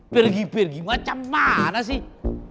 pergi pergi macam mana sih